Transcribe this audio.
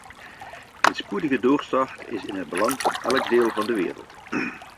Een spoedige doorstart is in het belang van elk deel van de wereld.